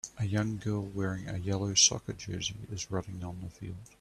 A young girl wearing a yellow soccer jersey is running on a field.